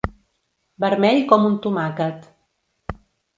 Vermell com un tomàquet.